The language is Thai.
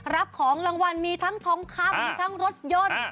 รับของรางวัลมีทั้งทองคำมีทั้งรถยนต์